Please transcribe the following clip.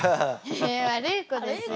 え悪い子ですよ。